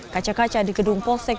kaca kaca di gedung polsek